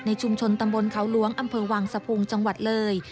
ชุมชนตำบลเขาหลวงอำเภอวังสะพุงจังหวัดเลย